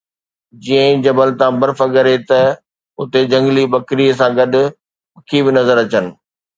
جيئن ئي جبل تان برف ڳري ته هتي جهنگلي ٻڪريءَ سان گڏ پکي به نظر اچن.